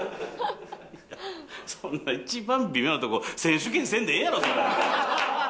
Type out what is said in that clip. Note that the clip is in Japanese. そんな一番微妙なとこ選手権せんでええやろそれ。